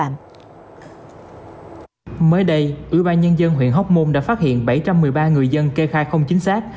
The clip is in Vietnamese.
mới đây ủy ban nhân dân huyện hóc môn đã phát hiện bảy trăm một mươi ba người dân kê khai không chính xác